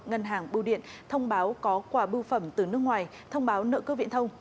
ngân hàng bưu điện thông báo có quà bưu phẩm từ nước ngoài thông báo nợ cơ viễn thông